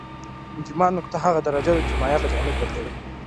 انجماد نقطه هغه درجه ده چې مایع په جامد بدلوي.